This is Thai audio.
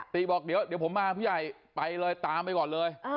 บอกเดี๋ยวผมมาผู้ใหญ่ไปเลยตามไปก่อนเลย